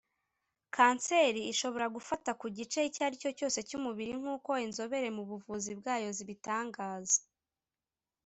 Kanseri ishobora gufata ku gice icyo ari cyo cyose cy’umubiri nk’uko inzobere mu buvuzi bwayo zibitangaza